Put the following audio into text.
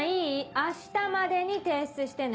明日までに提出してね。